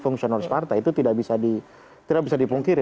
fungsionalis partai itu tidak bisa dipungkiri